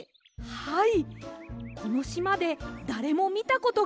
はい。